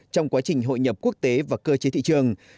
trong quá trình hội nhập quốc tế và cơ chế thị trường